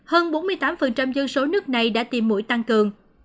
hơn bốn mươi tám dân số nước này đã tìm mũi tăng cường